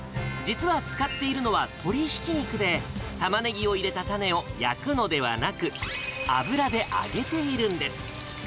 実は使っているのは、鶏ひき肉で、タマネギを入れたたねを焼くのではなく、油で揚げているんです。